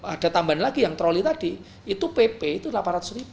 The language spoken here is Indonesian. ada tambahan lagi yang troli tadi itu pp itu rp delapan ratus